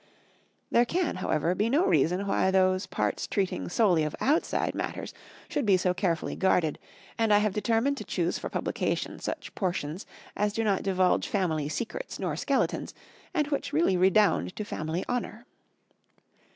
There can, however, be no reason why those parts treating solely of outside matters should be so carefully guarded, and I have determined to choose for publication such portions as do not divulge family secrets nor skeletons, and which really redound to family honor.